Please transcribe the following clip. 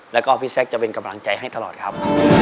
แล้วก็พี่แซคจะเป็นกำลังใจให้ตลอดครับ